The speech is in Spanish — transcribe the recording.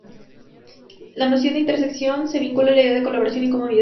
La noción de intersección se vincula a la idea de colaboración y comunidad.